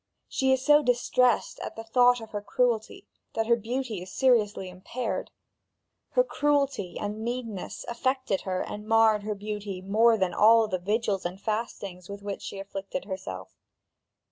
She is so distressed at the thought of her cruelty, that her beauty is seriously impaired. Her cruelty and meanness affected her and marred her beauty more than all the vigils and fastings with which she afflicted herself.